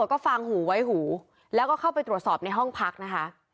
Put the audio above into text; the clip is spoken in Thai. ก็ฟังหูไว้หูแล้วก็เข้าไปตรวจสอบในห้องพักนะคะ